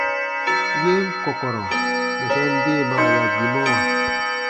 Yen kɔ̀kɔ̀rɔ̀ bɛsɛn deemaa ya gbimɔwa.